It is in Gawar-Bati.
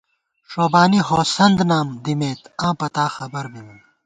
ݭوبانی ہوسند نام دِمېت ، آں پتا خبر بِمېم